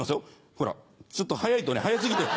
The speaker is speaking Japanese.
ほらちょっと早いと早過ぎて。